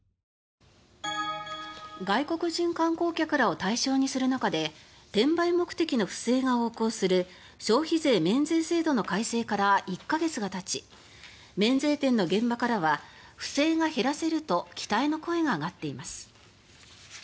外国人観光客らを対象にする中で転売目的の不正が横行する消費税免税制度の改正から１か月がたち免税店の現場からは不正が減らせると期待の声が上がっています。